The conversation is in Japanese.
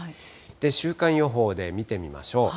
週間予報で見てみましょう。